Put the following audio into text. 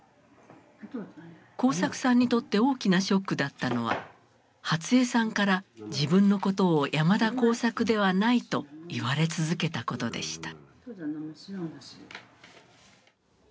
耕作さんにとって大きなショックだったのは初江さんから自分のことを山田耕作ではないと言われ続けたことでした。